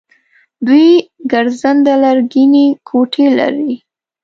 دوی ګرځنده لرګینې کوټې لري.